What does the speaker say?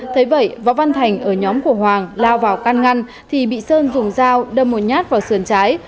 thấy vậy võ văn thành ở nhóm của hoàng lao vào can ngăn thì bị sơn dùng dao đâm một nhát vào sườn trái